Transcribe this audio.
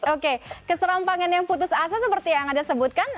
oke keserampangan yang putus asa seperti yang anda sebutkan